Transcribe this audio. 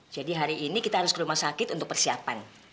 jadi hari ini kita harus ke rumah sakit untuk persiapan